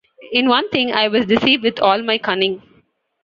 In one thing I was deceived with all my cunning.